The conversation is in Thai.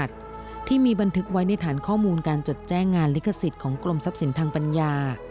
ที่มีบันทึกไว้ในฐานข้อมูลการจดแจ้งงานลิขสิทธิ์ของกรมทรัพย์สินทางปัญญา